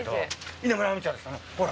稲村亜美ちゃんですほら